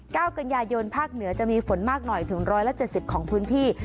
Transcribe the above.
กันยายนภาคเหนือจะมีฝนมากหน่อยถึงร้อยละเจ็ดสิบของพื้นที่